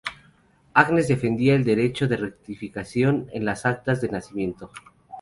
Agnes defendía el derecho de rectificación en las actas de nacimiento.